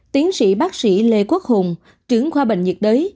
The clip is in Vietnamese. tiến sĩ bác sĩ lê quốc hùng trưởng khoa bệnh nhiệt đới